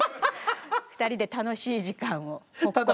２人で楽しい時間をほっこり。